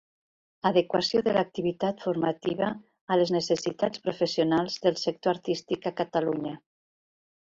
Adequació de l'activitat formativa a les necessitats professionals del sector artístic a Catalunya.